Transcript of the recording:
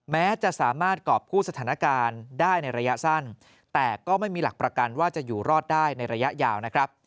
แม้จะสามารถกรอบกู้สถานการณ์ได้ในระยะสั้นแต่ก็ไม่มีหลักประกันว่าจะอยู่รอดได้ในระยะยาวนะครับ